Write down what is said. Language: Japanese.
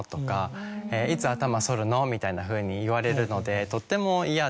みたいなふうに言われるのでとっても嫌で。